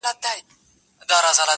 خلګ ياران نه په لسټوني کي ماران ساتي.